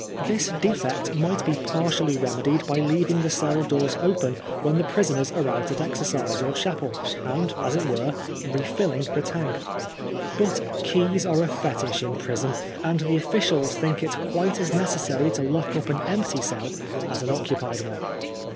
This defect might be partially remedied by leaving the cell doors open when the prisoners are out at exercise or chapel, and, as it were, refllling the tank. But keys PBIBQN LIFE. 127 are a fetish in prison, and the officials think it quite as necessary to lock up an empty cell as an occupied one.